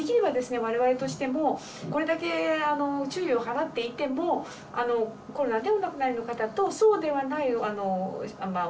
我々としてもこれだけあの注意を払っていてもコロナでお亡くなりの方とそうではないお亡くなりの方をですね